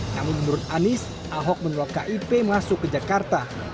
namun menurut anies ahok menolak kip masuk ke jakarta